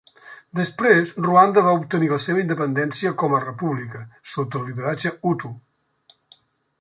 Després Ruanda va obtenir la seva independència com a república, sota el lideratge hutu.